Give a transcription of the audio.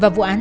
và vụ án